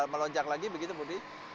melonjak lagi begitu budi